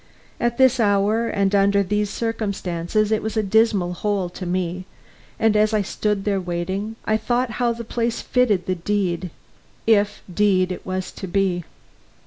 At this hour and under these circumstances it was a dismal hole to me; and as I stood there waiting, I thought how the place fitted the deed if deed it was to be.